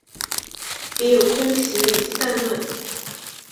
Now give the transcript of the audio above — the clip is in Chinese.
也有空袭以及战乱